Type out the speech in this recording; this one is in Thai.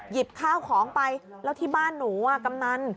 ข้าวของไปแล้วที่บ้านหนูกำนัน